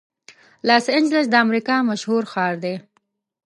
لاس انجلس د امریکا مشهور ښار دی.